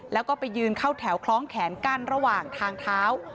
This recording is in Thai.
แล้วก็ไปยืนเข้าแถวคล้องแขนกั้นระหว่างทางเท้า